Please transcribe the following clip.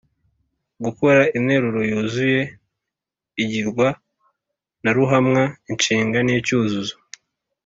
gukora interuro yuzuye igirwa na ruhamwa inshinga ni icyuzuzo